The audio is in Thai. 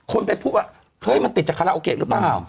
คนเป็นพูดว่าเฮ้ยมันติดจากคาลาโอกเกดหรือป่าว